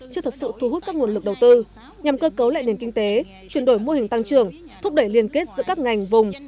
chưa thật sự thu hút các nguồn lực đầu tư nhằm cơ cấu lại nền kinh tế chuyển đổi mô hình tăng trưởng thúc đẩy liên kết giữa các ngành vùng